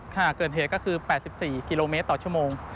หากเกิดเหตุก็คือ๘๔กิโลเมตรต่อชั่วโมง